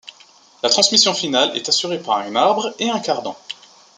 La transmission finale est assurée par un arbre et un cardan.